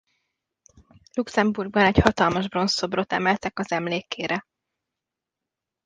Luxembourgban egy hatalmas bronzszobrot emeltek az emlékére.